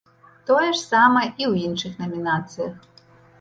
Тое ж самае і ў іншых намінацыях.